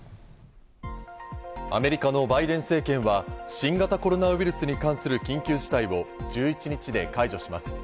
アメリカのバイデン政権は新型コロナウイルスに関する緊急事態を１１日で解除します。